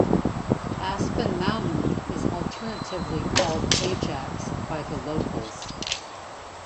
Aspen Mountain is alternatively called Ajax by the locals.